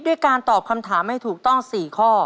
ด้วยการตอบคำถามให้ถูกต้อง๔ข้อ